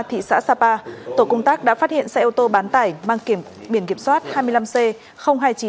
thị xã sapa tổ cung tác đã phát hiện xe ô tô bán tải mang biển kiểm soát hai mươi năm c hai nghìn chín trăm chín mươi năm